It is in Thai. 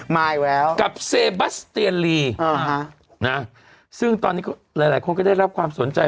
มาอีกแล้วกับเซบัสเตียนลีอ่าฮะนะซึ่งตอนนี้หลายหลายคนก็ได้รับความสนใจ